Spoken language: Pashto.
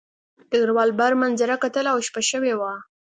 ډګروال بهر منظره کتله او شپه شوې وه